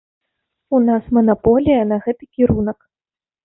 У нас манаполія на гэты кірунак!